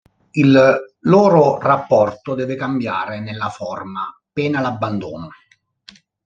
Il loro rapporto deve cambiare nella forma, pena l'abbandono.